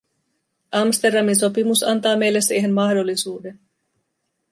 Amsterdamin sopimus antaa meille siihen mahdollisuuden.